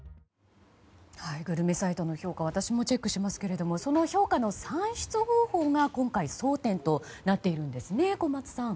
グルメサイトの評価は私もチェックしますけれどもその評価の算出方法が今回、争点となっているんですね、小松さん。